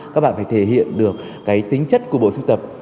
các bạn phải thể hiện được cái tính chất của bộ sưu tập